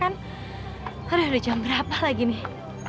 aduh sudah jam berapa lagi nih